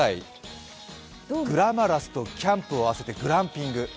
グラマラスとキャンプを合わせてグランピング。